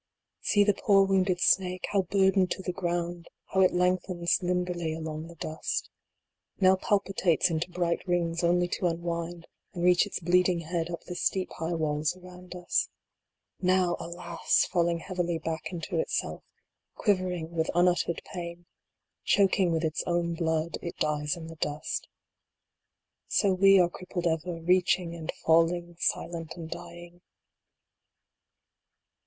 IV. See the poor wounded snake ; how burdened to the ground ; How it lengthens limberly along the dust Now palpitates into bright rings only to unwind, and reach its bleeding head up the steep high walls around us. Now, alas ! falling heavily back into itself, quivering with unuttered pain ; Choking with its own blood it dies in the dust So we are crippled ever ; Reaching and falling, Silent and dying.